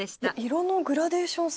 色のグラデーション